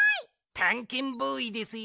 たんけんボーイですよ。